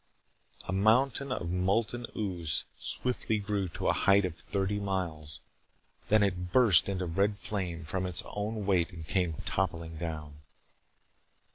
A mountain of molten ooze swiftly grew to a height of thirty miles. Then it burst into red flame from its own weight and came toppling down.